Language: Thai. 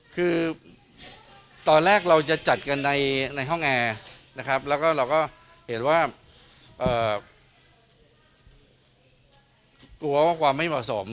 คือตอนแรกเราจะจัดกันในห้องแอร์นะครับแล้วก็เราก็เห็นว่ากลัวว่าความไม่เหมาะสม